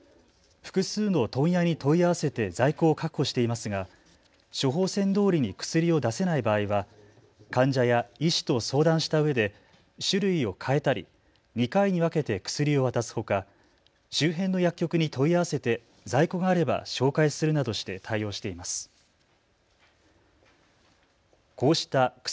複数の問屋に問い合わせて在庫を確保していますが処方箋どおりに薬を出せない場合は患者や医師と相談したうえで種類を変えたり、２回に分けて薬を渡すほか周辺の薬局に問い合わせて在庫があれば紹介するなどして対応しています。